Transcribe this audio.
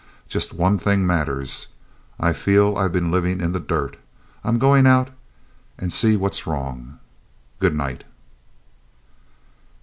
Just one thing matters. I feel I've been living in the dirt. I'm going out and see what's wrong. Good night."